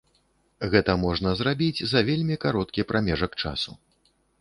Гэта можна зрабіць за вельмі кароткі прамежак часу.